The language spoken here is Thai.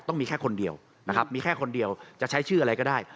ต้องมีแค่คนเดียวนะครับมีแค่คนเดียวจะใช้ชื่ออะไรก็ได้